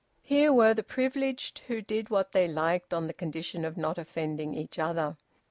Here were the privileged, who did what they liked on the condition of not offending each other.